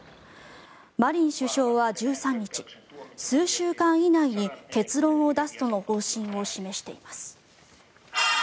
マリン首相は１３日数週間以内に結論を出すとの方針を示しています。